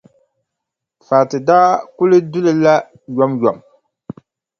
Fati daa kuli du li la yomyom.